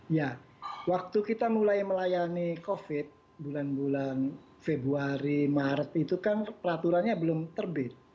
ya waktu kita mulai melayani covid bulan bulan februari maret itu kan peraturannya belum terbit